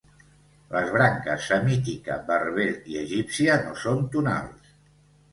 Les branques semítica, berber i egípcia no són tonals.